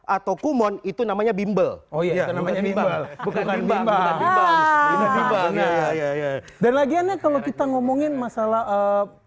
atau kumon itu namanya bimbel oh iya namanya bimbang bukan bimbang dan lagiannya kalau kita ngomongin masalah eh